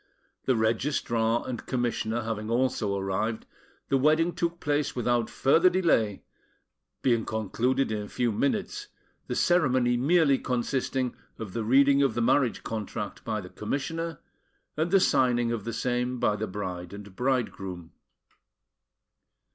The Registrar and Commissioner having also arrived, the wedding took place without further delay, being concluded in a few minutes, the ceremony merely consisting of the reading of the marriage contract by the Commissioner, and the signing of the same by the bride and bridegroom.